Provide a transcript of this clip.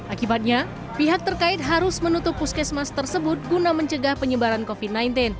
akibatnya pihak terkait harus menutup puskesmas tersebut guna mencegah penyebaran covid sembilan belas